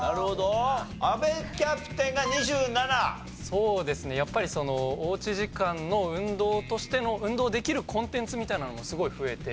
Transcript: そうですねやっぱりおうち時間の運動としての運動できるコンテンツみたいなのもすごい増えて。